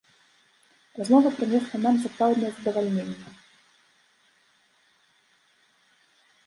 Размова прынесла нам сапраўднае задавальненне!